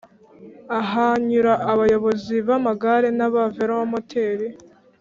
Ahanyura abayobozi b'amagare n'aba velomoteri